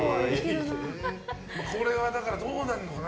これは、どうなるのかな。